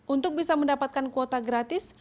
untuk bisa mendapatkan kuota gratis